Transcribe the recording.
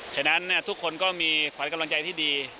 ฉะนั้นทุกคนก็มีขวัญกำลังใจที่ดี